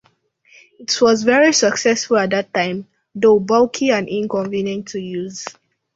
It was very successful at the time, though bulky and inconvenient to use.